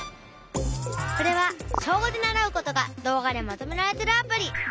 これは小５で習うことが動画でまとめられてるアプリ。